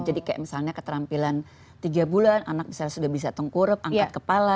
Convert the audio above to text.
jadi kayak misalnya keterampilan tiga bulan anak misalnya sudah bisa tengkurup angkat kepala